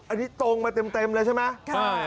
อันนี้ตรงมาเต็มเลยใช่ไหมครับค่ะค่ะ